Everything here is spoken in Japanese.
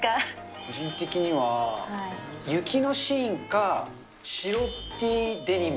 個人的には、雪のシーンか、白Ｔデニム。